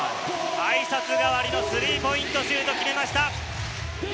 あいさつがわりのスリーポイントシュートを決めました。